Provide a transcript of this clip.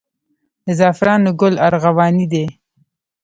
د زعفرانو ګل ارغواني دی